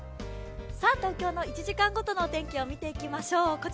東京の１時間ごとの天気を見ていきましょう。